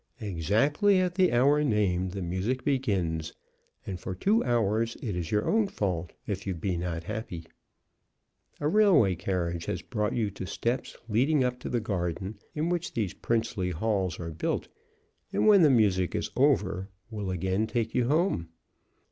Exactly at the hour named the music begins, and for two hours it is your own fault if you be not happy. A railway carriage has brought you to steps leading up to the garden in which these princely halls are built, and when the music is over will again take you home.